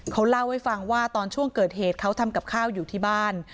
เขาเล่าให้ฟังว่าตอนช่วงเกิดเหตุเขาทำกับข้าวอยู่ที่บ้าน